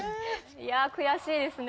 いやあ悔しいですね。